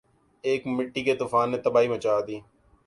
ایک مٹی کے طوفان نے تباہی مچا دی